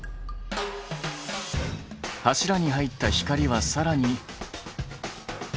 柱に入った光はさらに。